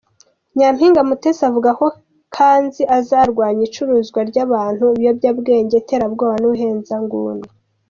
Nyampinga Mutesi avuga ko kanzi azarwanya icuruzwa ry’abantu, ibiyobyabwenge, iterabwoba n’ubuhezanguni.